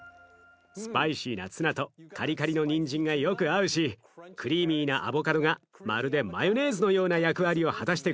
スパイシーなツナとカリカリのにんじんがよく合うしクリーミーなアボカドがまるでマヨネーズのような役割を果たしてくれています。